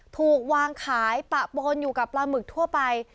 ถูกวางขายปะปนอยู่กับปลาหมึกทั่วไป